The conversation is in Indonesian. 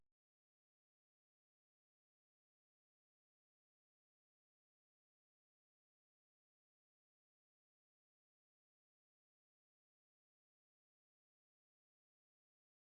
sini sini biar tidurnya enak